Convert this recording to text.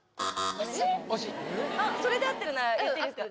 惜しいそれで合ってるなら言っていいですか？